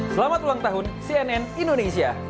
selamat ulang tahun cnn indonesia